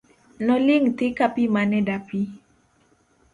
Noling' thi kapi mane dapi.